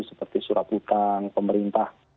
seperti surat hutang pemerintah